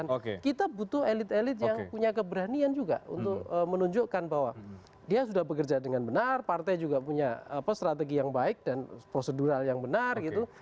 dan kita butuh elit elit yang punya keberanian juga untuk menunjukkan bahwa dia sudah bekerja dengan benar partai juga punya strategi yang baik dan prosedural yang benar gitu